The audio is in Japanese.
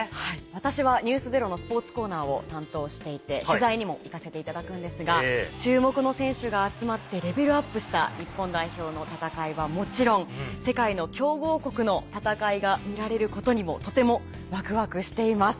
私は『ｎｅｗｓｚｅｒｏ』のスポーツコーナーを担当していて取材にも行かせていただくんですが注目の選手が集まってレベルアップした日本代表の戦いはもちろん世界の強豪国の戦いが見られることにもとてもワクワクしています。